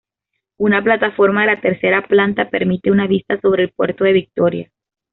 Una plataforma de la tercera planta permite una vista sobre el puerto de Victoria.